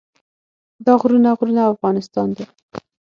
دا غرونه غرونه افغانستان دی.